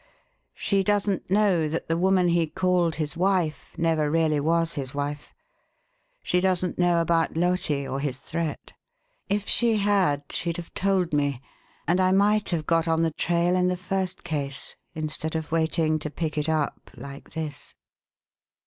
She doesn't know that the woman he called his wife never really was his wife; she doesn't know about Loti or his threat. If she had she'd have told me, and I might have got on the trail in the first case instead of waiting to pick it up like this."